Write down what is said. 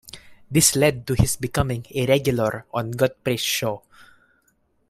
This led to his becoming a regular on Godfrey's show.